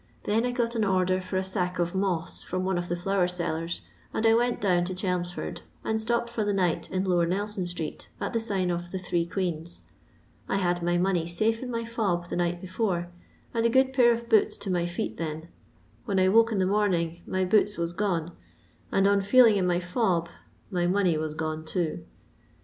then I got an order for a aack of mosi from one of the flower sellers, and I went down to Chelmsford, and stopped for the night in Lower Nelson street, at the sign of *' The Three Queens." I had my money safe in my fob the night before, and a good pair of boots to my ftet then ; when I woke in the morning my boota was gone, and on feeling in my fob my money was gone ton.